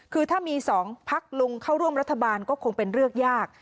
คือถ้ามี๒พักลุงเข้าร่วมรัฐบาลก็คงเป็นเรื่องยาก